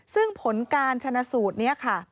ซึ่งผลการชนสูตรนี้